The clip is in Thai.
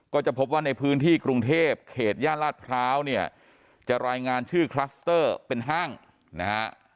ก็จะพบว่าในพื้นที่กรุงเทพเขตย่านลาดพร้าวเนี่ยจะรายงานชื่อคลัสเตอร์เป็นห้างนะฮะ